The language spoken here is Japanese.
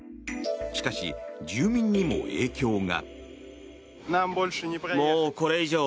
しかし、住民にも影響が。